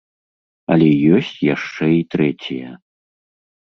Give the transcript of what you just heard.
Але ёсць яшчэ і трэція.